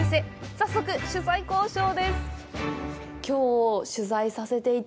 早速、取材交渉です。